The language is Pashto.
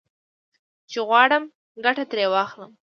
چې غواړم ګټه ترې واخلم.